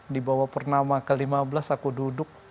di bawah pernama ke lima belas aku duduk